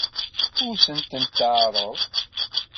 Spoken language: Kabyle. Ad sen-tent-teɛṛeḍ?